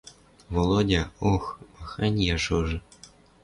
«Володя, ох, махань яжожы!